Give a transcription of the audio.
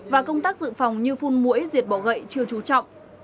và công tác dự phòng như phun mũi diệt bỏ gậy chưa trú trọng